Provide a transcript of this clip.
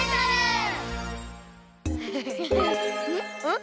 ん！？